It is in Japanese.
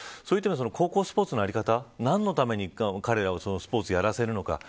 高校スポーツのあり方何のために彼らにスポーツをやらせるのか。